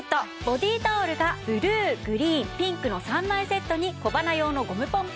ボディータオルがブルーグリーンピンクの３枚セットに小鼻用のゴムポン